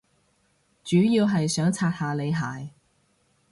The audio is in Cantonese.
主要係想刷下你鞋